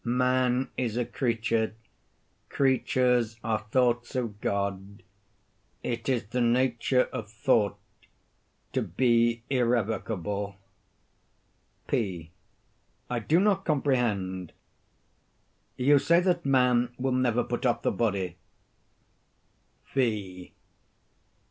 Man is a creature. Creatures are thoughts of God. It is the nature of thought to be irrevocable. P. I do not comprehend. You say that man will never put off the body?